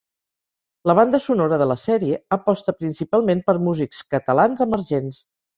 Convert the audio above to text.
La banda sonora de la sèrie aposta principalment per músics catalans emergents.